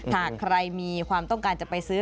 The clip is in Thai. หากใครมีความต้องการจะไปซื้อ